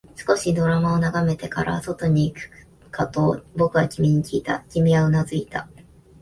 少しドラマを眺めてから、外に行くかと僕は君にきいた、君はうなずいた